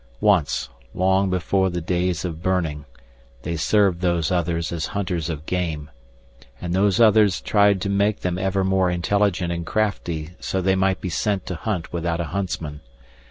Once, long before the days of burning, they served Those Others as hunters of game. And Those Others tried to make them ever more intelligent and crafty so they might be sent to hunt without a huntsman.